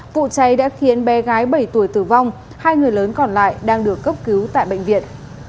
vụ cháy đã khiến bé gái bảy tuổi tử vong hai người lớn còn lại đang được cấp cứu tại bệnh viện